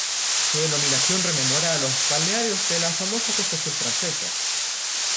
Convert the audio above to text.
Su denominación rememora los balnearios de la famosa Costa Azul francesa.